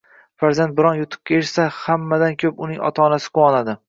Farzand biron yutuqqa erishsa, hammadan ko‘p uning ota-onasi quvonadi.